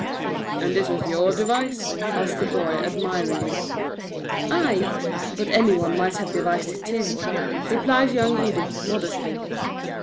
"And this was YOUR device?" asked the boy, admiringly. "Ay, but any one might have devised it too," replied young Edith, modestly.